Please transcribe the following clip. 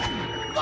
わ。